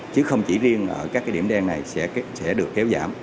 chứ không chỉ riêng ở các điểm đen này sẽ được kéo giảm